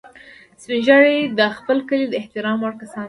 سپین ږیری د خپل کلي د احترام وړ کسان دي